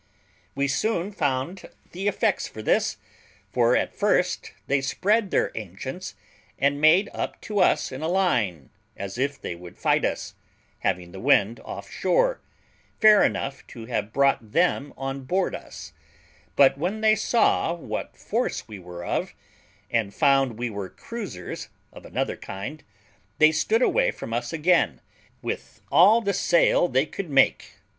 We soon found the effects of this; for at first they spread their ancients, and made up to us in a line, as if they would fight us, having the wind off shore, fair enough to have brought them on board us; but when they saw what force we were of, and found we were cruisers of another kind, they stood away from us again, with all the sail they could make.